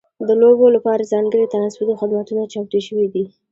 د لوبو لپاره ځانګړي ترانسپورتي خدمتونه چمتو شوي دي.